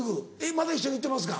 まだ一緒に行ってますか？